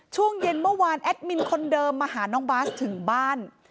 ช่วงเย็นเมื่อวานแอดมินคนเดิมมาหาน้องบาสถึงบ้าน